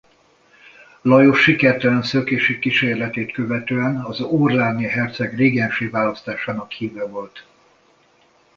Lajos sikertelen szökési kísérletét követően az orléans-i herceg régenssé választásának híve volt.